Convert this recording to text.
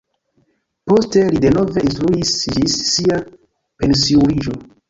Poste li denove instruis ĝis sia pensiuliĝo.